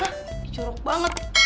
hah dijorok banget